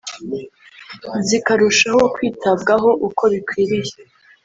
zikarushaho kwitabwaho uko bikwiriye